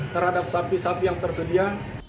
terhadap sapi sapi yang tersedia